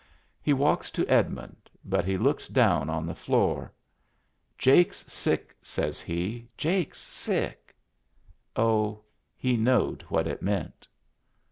He walks to Edmund, but he looks down on the floor. "Jake's sick," says he. "Jake's sick." Oh, he knowed what it meant.